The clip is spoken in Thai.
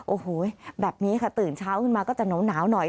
โอ้โหแบบนี้ค่ะตื่นเช้าขึ้นมาก็จะหนาวหน่อย